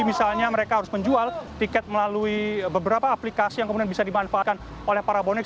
misalnya mereka harus menjual tiket melalui beberapa aplikasi yang kemudian bisa dimanfaatkan oleh para bonek